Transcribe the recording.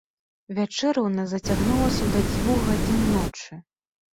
Вячэра ў нас зацягнулася да дзвюх гадзін ночы.